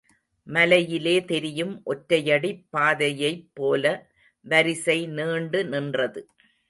மலையிலே தெரியும் ஒற்றையடிப் பாதையைப் போல வரிசை நீண்டு நின்றது.